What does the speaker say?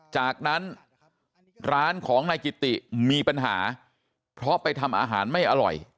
จากนั้นร้านของนายกิติมีปัญหาเพราะไปทำอาหารไม่อร่อย